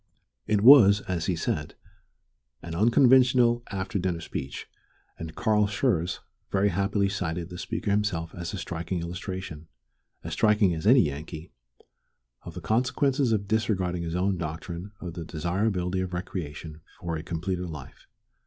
It was, as he said, an unconventional after dinner speech, and Carl Schurz very happily cited the speaker himself as a striking illustration as striking as any Yankee of the consequences of disregarding his own doctrine of the desirability of recreation for a completer life.